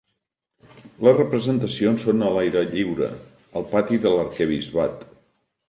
Les representacions són a l'aire lliure, al pati de l'arquebisbat.